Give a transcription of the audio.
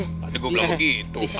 tadi gua bilang begitu